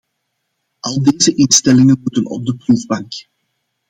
Al deze instellingen moeten op de proefbank.